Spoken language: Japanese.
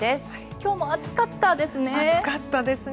今日も暑かったですね。